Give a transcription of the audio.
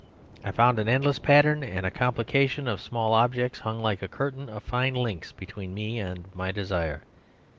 I found an endless pattern and complication of small objects hung like a curtain of fine links between me and my desire.